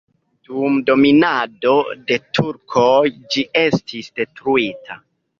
Dum dominado de turkoj ĝi estis detruita.